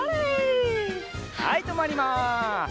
はいとまります。